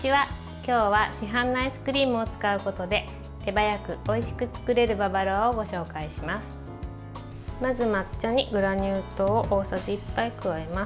今日は市販のアイスクリームを使うことで手早くおいしく作れるババロアをご紹介います。